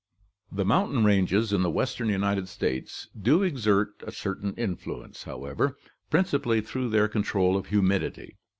The mountain ranges in the western United States do exert a certain influence, however, principally through their control of humidity.